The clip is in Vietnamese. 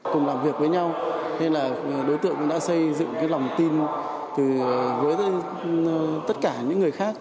cùng làm việc với nhau nên là đối tượng cũng đã xây dựng cái lòng tin với tất cả những người khác